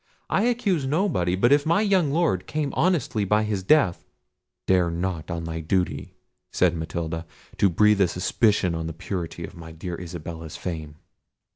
I accuse nobody; but if my young Lord came honestly by his death—" "Dare not on thy duty," said Matilda, "to breathe a suspicion on the purity of my dear Isabella's fame."